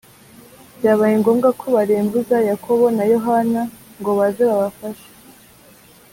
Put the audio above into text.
byabaye ngombwa ko barembuza yakobo na yohana ngo baze babafashe